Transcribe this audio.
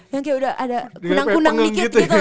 yang kayak udah ada kunang kunang dikit gitu